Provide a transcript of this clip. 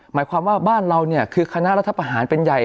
หมายความว่าบ้านเราเนี่ยคือคณะรัฐประหารเป็นใหญ่